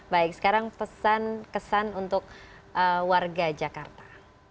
baik sekarang pesan kesan untuk warga jakarta